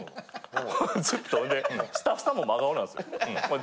ずっとほんでスタッフさんも真顔なんですよ。